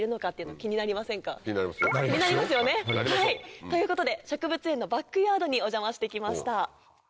気になりますよね？ということで植物園のバックヤードにお邪魔してきました。